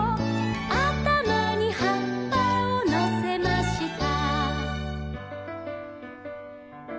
「あたまにはっぱをのせました」